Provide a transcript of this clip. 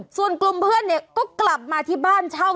ส่วนกลุ่มเพื่อนเนี่ยก็กลับมาที่บ้านเช่า